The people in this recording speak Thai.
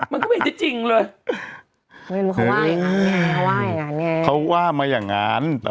มันจริงมั้ยละ